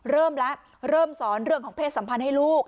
เริ่มแล้วเริ่มสอนเรื่องของเพศสัมพันธ์ให้ลูก